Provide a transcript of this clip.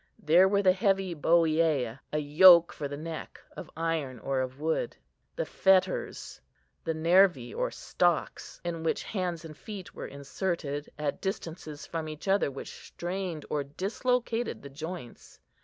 There were the heavy boiæ, a yoke for the neck, of iron, or of wood; the fetters; the nervi, or stocks, in which hands and feet were inserted, at distances from each other which strained or dislocated the joints.